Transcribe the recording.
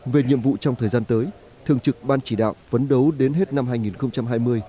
về nhiệm vụ trong thời gian tới thường trực ban chỉ đạo phấn đấu đến hết năm hai nghìn hai mươi